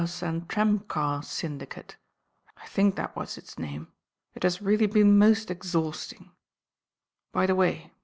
°''""^'"'■ T""* » Syndicate. I thmk that was its name. It h« eally been mos exhausting By the way.